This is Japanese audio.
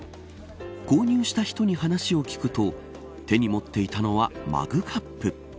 購入した人に話を聞くと手に持っていたのはマグカップ。